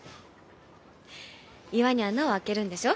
岩に穴を開けるんでしょ？